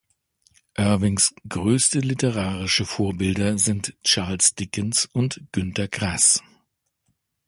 Irvings größte literarische Vorbilder sind Charles Dickens und Günter Grass.